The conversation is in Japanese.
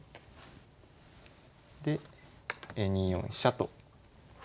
で２四飛車と。